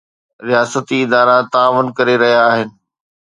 رياستي ادارا تعاون ڪري رهيا آهن.